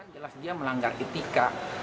jelas dia melanggar etika